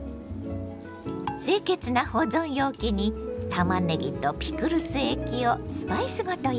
清潔な保存容器にたまねぎとピクルス液をスパイスごと入れてね。